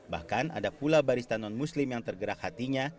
bahkan ada pula barista non muslim yang tergerak hatinya